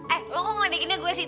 eh lo kok ngedekinnya gue sih